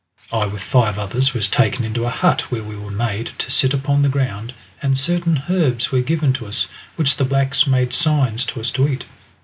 I with five others was taken into a hut, where we were made to sit upon the ground, and certain herbs were given to us, which the blacks made signs to us to eat.